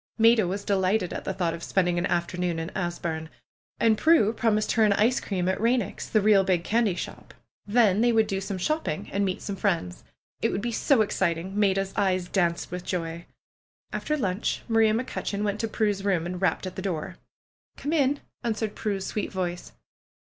Maida was delighted at the thought of spending an afternoon in Asburne. And Prue promised her an ice cream at Eeineck's, the real big candy shop. Then they would do some shopping and meet some friends. It would be so exciting 1 Maida's eyes danced with joy. After lunch Maria McCutcheon went to Prue's room and rapped at the door. ^^Come in !" answered Prue's sweet voice.